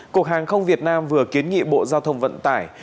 cục hàng không việt nam vừa kiến nghị bộ giao thông vận tải